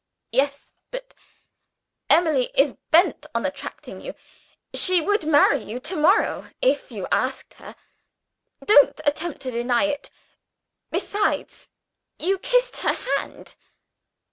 "Yes but Emily is bent on attracting you. She would marry you to morrow, if you asked her. Don't attempt to deny it! Besides, you kissed her hand."